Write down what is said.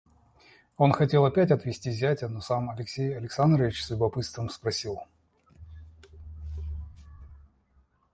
Он хотел опять отвести зятя, но сам Алексей Александрович с любопытством спросил.